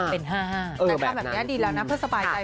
แต่ทำแบบนี้ดีแล้วนะเพื่อสบายใจ